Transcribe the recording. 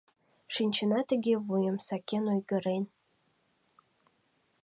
Шинчена тыге вуйым сакен ойгырен.